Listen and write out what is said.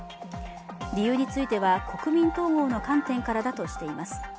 理由については、国民統合の観点からだとしています。